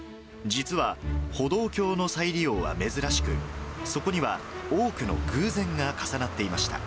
実は、歩道橋の再利用は珍しく、そこには多くの偶然が重なっていました。